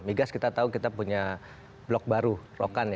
migas kita tahu kita punya blok baru rokan ya